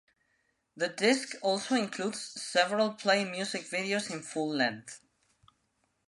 The disc also includes several Play music videos in full length.